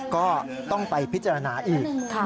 ก็ต้องไปพิจารณาอีก